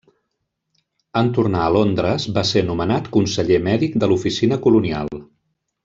En tornar a Londres, va ser nomenat conseller mèdic de l'oficina colonial.